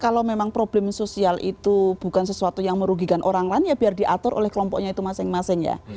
kalau memang problem sosial itu bukan sesuatu yang merugikan orang lain ya biar diatur oleh kelompoknya itu masing masing ya